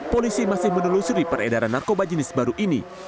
polisi masih menelusuri peredaran narkoba jenis baru ini